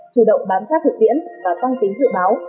chủ động bám sát thực tiễn và tăng tính dự báo